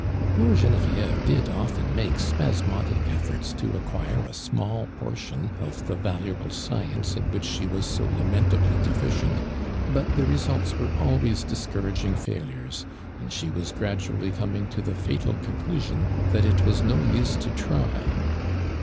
I'oor Gene vieve ditl often make si)usmotlic etlbrts to ac<)uire a small portion of the valuable science in which she was so lamentably deficient, but the results were always diH eouragnig Jailures. and she was gradually coming to the fatal conclusion that it was no use to try.